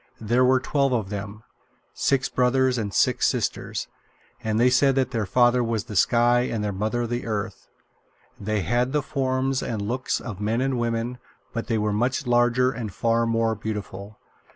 There were twelve of them six brothers and six sisters and they said that their father was the Sky and their mother the Earth. They had the form and looks of men and women, but they were much larger and far more beautiful.